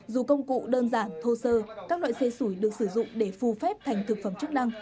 dù công cụ đơn giản thô sơ các loại xe sủi được sử dụng để phù phép thành thực phẩm chức năng